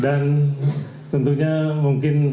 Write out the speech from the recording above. dan tentunya mungkin